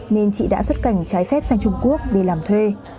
nên chị đã xuất cảnh trái phép sang trung quốc đi làm thuê